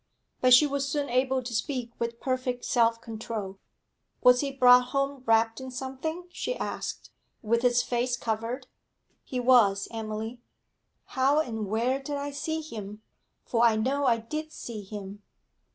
But she was soon able to speak with perfect self control. 'Was he brought home wrapped in something?' she asked. 'With his face covered?' 'He was, Emily.' 'How and where did I see him? For I know I did see him.'